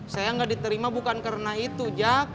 sayang gak diterima bukan karena itu jak